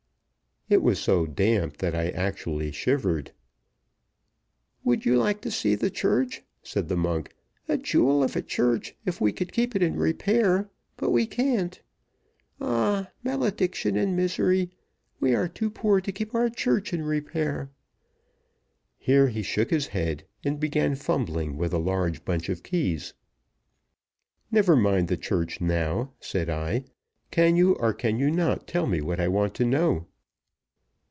It was so damp that I actually shivered. "Would you like to see the church?" said the monk; "a jewel of a church, if we could keep it in repair; but we can't. Ah! malediction and misery, we are too poor to keep our church in repair!" Here he shook his head and began fumbling with a large bunch of keys. "Never mind the church now," said I. "Can you, or can you not, tell me what I want to know?"